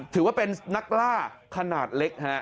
ถือว่าเป็นนักล่าขนาดเล็กฮะ